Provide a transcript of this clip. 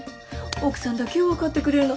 奥さんだけよ分かってくれるの。